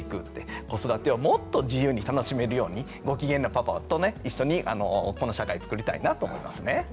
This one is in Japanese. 子育てをもっと自由に楽しめるようにご機嫌なパパとね一緒にこの社会つくりたいなと思いますね。